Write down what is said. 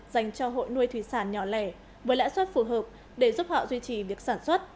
dành cho hội nuôi thủy sản nhỏ lẻ với lãi suất phù hợp để giúp họ duy trì việc sản xuất